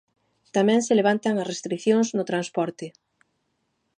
Tamén se levantan as restricións no transporte.